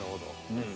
うん。